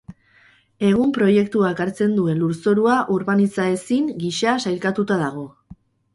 Egun proiektuak hartzen duen lurzorua urbanizaezin gisa sailkatuta dago.